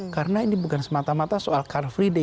karena ini bukan semata mata soal car free day